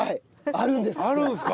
あるんですって。